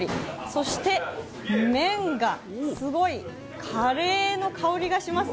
そして麺がすごい、カレーの香りがします